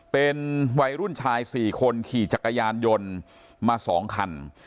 เป็นวัยรุ่นชาย๔คนขี่จักรยานยนต์มา๒คัน